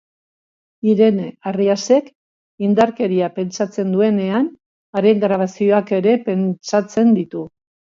Irene Arriasek, indarkeria pentsatzen duenean, haren grabazioak ere pentsatzen ditu.